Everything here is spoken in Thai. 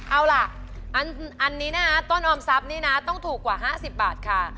เอาล่ะอันนี้นะคะต้นออมทรัพย์นี่นะต้องถูกกว่า๕๐บาทค่ะ